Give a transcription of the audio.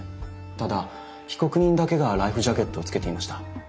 ただ被告人だけがライフジャケットを着けていました。